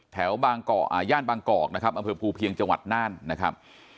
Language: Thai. แถวบางกรอกอ่าย่านบางกรอกนะครับอำเภพภูเพียงจังหวัดน่านนะครับ